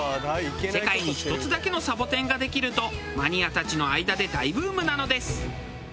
世界に一つだけのサボテンができるとマニアたちの間で大ブームなのです。